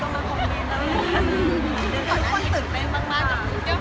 หรือแบบเรียบโทนลง